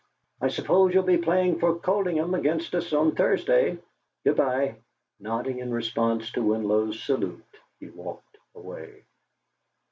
"I suppose you'll be playing for Coldingham against us on Thursday? Good bye!" Nodding in response to Winlow's salute, he walked away.